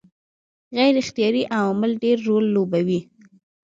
غیر اختیاري عوامل ډېر رول لوبوي.